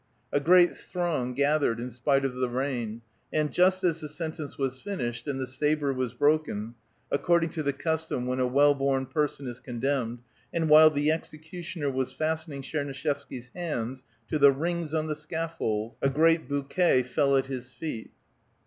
A great throng gathered, in spite of the rain, and just as the sentence was finished and the sabre was broken, ac cording to the custom when a well born person is condemned, and while the executioner was fastening Tchernuishevsky's hands to the rings on the scaffold,^ a great bouquet fell at his feet.